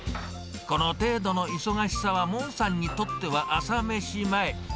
この程度の忙しさは、モンさんにとっては朝飯前。